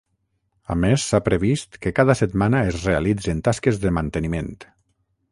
A més, s’ha previst que cada setmana es realitzen tasques de manteniment.